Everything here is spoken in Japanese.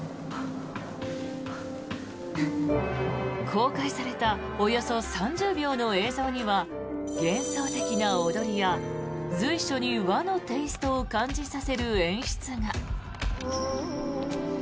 公開されたおよそ３０秒の映像には幻想的な踊りや随所に和のテイストを感じさせる演出が。